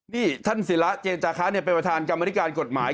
นี่ท่านศิระเจนจาคะเป็นประธานกรรมนิการกฎหมาย